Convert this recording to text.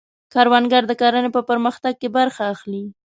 کروندګر د کرنې په پرمختګ کې برخه اخلي